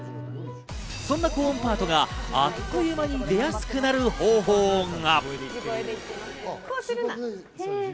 そんな高音パートがあっという間に出やすくなる方法が。